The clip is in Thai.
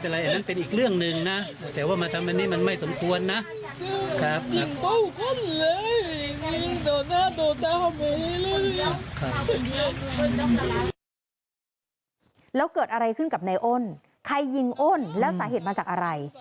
แล้วเกิดอะไรขึ้นกับนายอ้นใครยิงอ้นแล้วสาเหตุมาจากอะไร